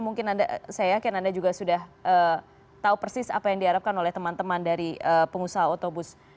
mungkin saya yakin anda juga sudah tahu persis apa yang diharapkan oleh teman teman dari pengusaha otobus